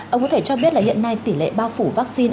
ông có thể cho biết là hiện nay tỷ lệ bao phủ vaccine